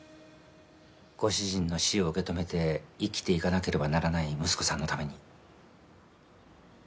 ご主人の死を受け止めて生きていかなければならない息子さんのために。